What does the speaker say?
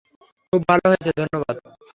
খুব ভালো হয়েছে, ধন্যবাদ।